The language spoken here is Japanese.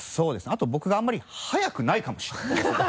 あと僕があんまり速くないかもしれないですね。